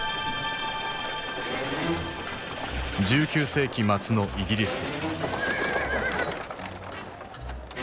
１９世紀末のイギリス。